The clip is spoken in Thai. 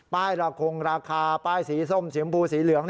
ระคงราคาป้ายสีส้มสีชมพูสีเหลือง